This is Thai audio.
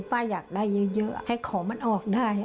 ป้าอยากได้เยอะให้ของมันออกได้